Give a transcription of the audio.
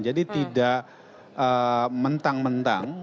jadi tidak mentang mentang